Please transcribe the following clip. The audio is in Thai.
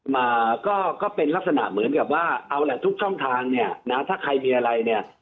มาก็ก็เป็นลักษณะเหมือนกับว่าเอาแหละทุกช่องทางเนี่ยนะถ้าใครมีอะไรเนี่ย